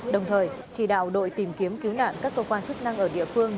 đồng thời chỉ đạo đội tìm kiếm cứu nạn các cơ quan chức năng ở địa phương